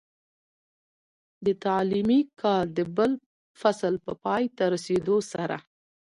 د تعليمي کال د بل فصل په پای ته رسېدو سره،